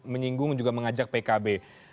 menyinggung juga mengajak pkb